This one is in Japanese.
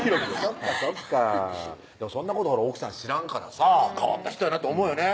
そっかそっかそんなこと奥さん知らんからさ変わった人やなと思うよね